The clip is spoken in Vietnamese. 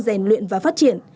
giàn luyện và phát triển